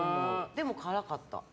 でも、辛かった。